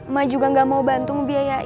ma juga gak mau bantu ngebiayain